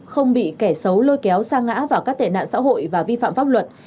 không bị kẻ xấu lôi kéo xa ngã vào các tệ nạn xã hội và vi phạm pháp luật